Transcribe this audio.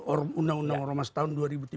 undang undang orang romas tahun dua ribu tiga belas